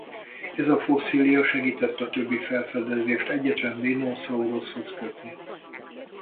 Ez a fosszília segített a többi felfedezést egyetlen dinoszauruszhoz kötni.